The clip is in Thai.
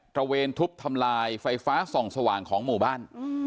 ระเวนทุบทำลายไฟฟ้าส่องสว่างของหมู่บ้าน